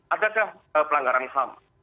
adakah pelanggaran ham